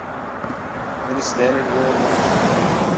It is standard worldwide.